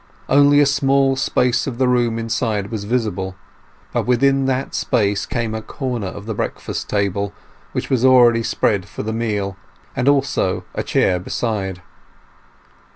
Only a small space of the room inside was visible, but within that space came a corner of the breakfast table, which was already spread for the meal, and also a chair beside.